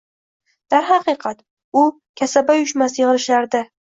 Darhaqiqat, u kasaba uyushmasi yig‘ilishlarida